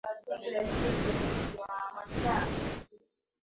kwa kosa la kwenda kufanya upelelezi pale